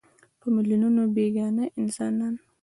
په میلیونونو بېګناه انسانان.